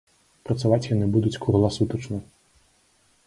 Працаваць яны будуць кругласутачна.